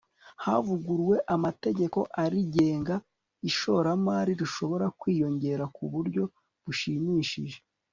havuguruwe amategeko arigenga, ishoramari rishobora kwiyongera ku buryo bushimishije